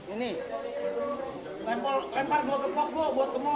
ini pon sterling